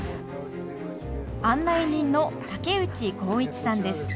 案内人の竹内幸一さんです。